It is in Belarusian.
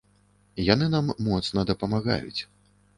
Яны нам моцна дапамагаюць.